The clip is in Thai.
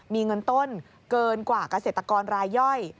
มีเงินต้นเกินกว่าเกษตรกรรายย่อย